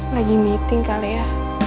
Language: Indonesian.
lagi meeting kali ya